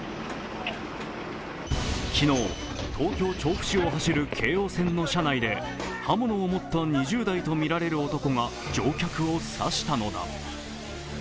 昨日、東京・調布市を走る京王線の車内で刃物を持った２０代とみられる男が乗客を刺したのだ。